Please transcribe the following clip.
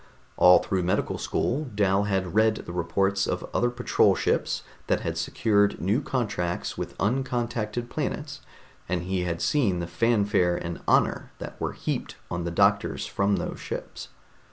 All through medical school Dal had read the reports of other patrol ships that had secured new contracts with uncontacted planets, and he had seen the fanfare and honor that were heaped on the doctors from those ships.